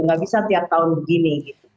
nggak bisa tiap tahun begini gitu